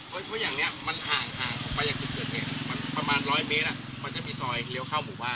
เพราะอย่างนี้มันห่างออกไปจากจุดเกิดเหตุมันประมาณร้อยเมตรมันจะมีซอยเลี้ยวเข้าหมู่บ้าน